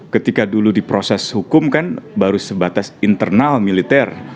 ketika dulu di proses hukum kan baru sebatas internal militer